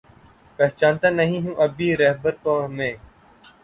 پہچانتا نہیں ہوں ابھی راہبر کو میں